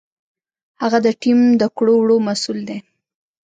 هغه د ټیم د کړو وړو مسؤل دی.